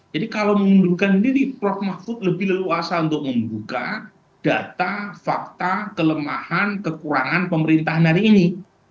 jadi kalau mengundurkan diri prof mahfud lebih leluasa untuk membuka data fakta kelemahan kekurangan pemerintahan hari ini